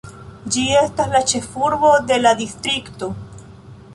Ĝi estas la ĉefurbo de la distrikto.